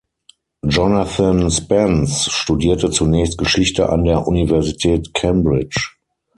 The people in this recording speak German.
Jonathan Spence studierte zunächst Geschichte an der Universität Cambridge.